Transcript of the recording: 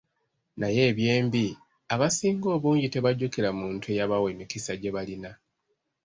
Naye eby’embi, abasinga obungi tebajjukira muntu eyabawa emikisa gye balina.